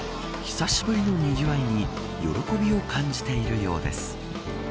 久しぶりのにぎわいに喜びを感じているようです。